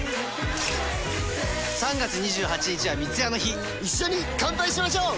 プシュッ３月２８日は三ツ矢の日一緒に乾杯しましょう！